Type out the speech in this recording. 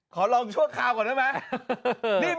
ขอลองชั่วคราวก่อนได้ไหม